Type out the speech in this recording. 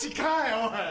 おい。